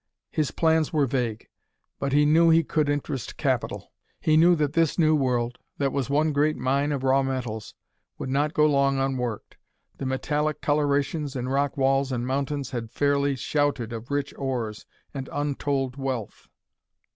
His plans were vague. But he knew he could interest capital; he knew that this new world, that was one great mine of raw metals, would not go long unworked. The metallic colorations in rock walls and mountains had fairly shouted of rich ores and untold wealth.